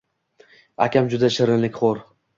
Akam juda shirinlikxo`r